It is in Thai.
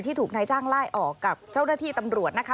ถูกนายจ้างไล่ออกกับเจ้าหน้าที่ตำรวจนะคะ